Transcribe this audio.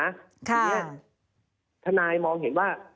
ทีนี้ทนายมองเห็นว่า